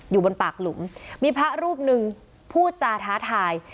อยู่บนปากหลุมมีพระรูปหนึ่งพูดจาท้าทาย